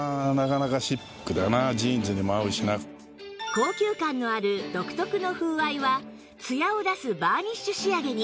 高級感のある独特の風合いはツヤを出すバーニッシュ仕上げに